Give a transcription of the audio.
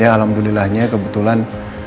ya alhamdulillahnya kebetulan